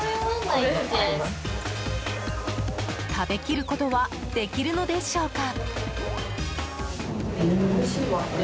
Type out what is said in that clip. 食べきることはできるのでしょうか。